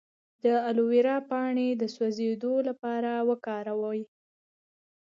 د الوویرا پاڼې د سوځیدو لپاره وکاروئ